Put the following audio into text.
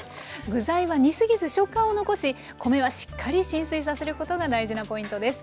具材は煮過ぎず食感を残し米はしっかり浸水させることが大事なポイントです。